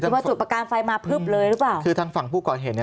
คือว่าจุดประกายไฟมาพึบเลยหรือเปล่าคือทางฝั่งผู้ก่อเหตุเนี้ย